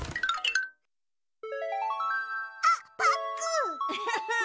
あっパックン！